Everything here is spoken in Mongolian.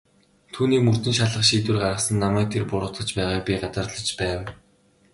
Түүнийг мөрдөн шалгах шийдвэр гаргасанд намайг тэр буруутгаж байгааг би гадарлаж байв.